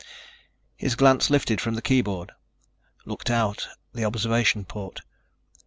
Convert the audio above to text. His glance lifted from the keyboard, looked out the observation port.